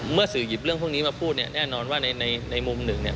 สื่อหยิบเรื่องพวกนี้มาพูดเนี่ยแน่นอนว่าในมุมหนึ่งเนี่ย